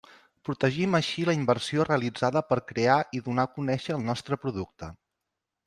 Protegim així la inversió realitzada per crear i donar a conèixer el nostre producte.